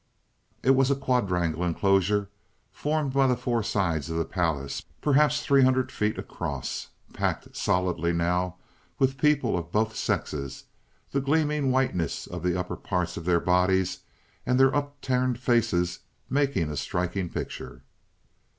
"It was a quadrangular enclosure, formed by the four sides of the palace, perhaps three hundred feet across, packed solidly now with people of both sexes, the gleaming whiteness of the upper parts of their bodies, and their upturned faces, making a striking picture.